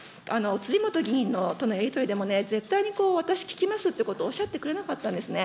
辻元議員とのやり取りでもね、絶対に私、聞きますってことをおっしゃってくれなかったんですね。